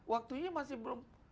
waktunya masih belum